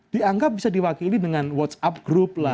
dianggap bisa diwakili dengan whatsapp group lah